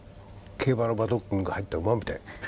競馬のパドックに入った馬みたい。